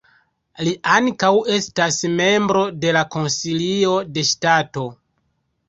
Li ankaŭ estas membro de la Konsilio de Ŝtato.